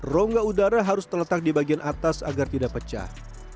rongga udara harus terletak di bagian atas agar tidak pecah